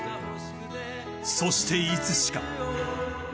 そしていつしか。